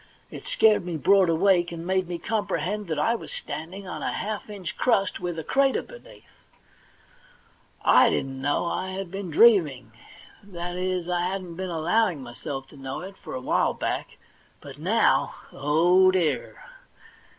It scared me broad awake, and made me comprehend that I was standing on a half inch crust, with a crater underneath. I didn't know I had been dreaming — that is, I hadn't been allowing myself to know it for a while back ; but 7ioiv — oh, dear